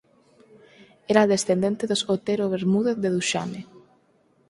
Era descendente dos Otero Bermúdez de Duxame.